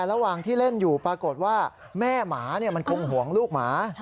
ระหว่างที่เล่นอยู่ปรากฏว่าแม่หมามันคงห่วงลูกหมา